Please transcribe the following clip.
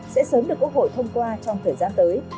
sẽ sớm được quốc hội thông qua trong thời gian tới